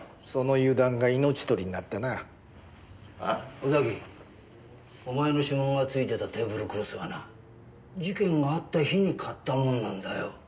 尾崎お前の指紋がついてたテーブルクロスはな事件があった日に買ったものなんだよ。